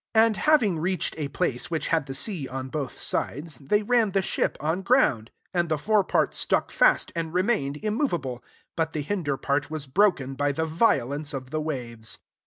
41 And having reached a place which had the sea on both sides, they ran the ship on ground ; and the fore part stuck fast, and remained immoveable, but the hinder part was broken by the violence of the waves.